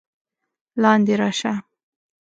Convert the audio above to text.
لاندې راشه!